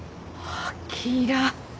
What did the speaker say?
あきら。